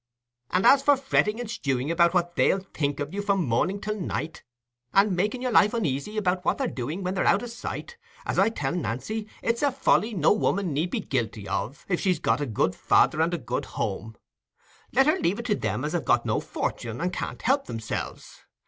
And as for fretting and stewing about what they'll think of you from morning till night, and making your life uneasy about what they're doing when they're out o' your sight—as I tell Nancy, it's a folly no woman need be guilty of, if she's got a good father and a good home: let her leave it to them as have got no fortin, and can't help themselves.